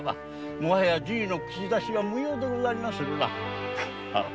もはやじぃの口出しは無用でございますな。